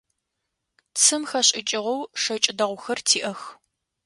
Цым хэшӏыкӏыгъэу шэкӏ дэгъухэр тиӏэх.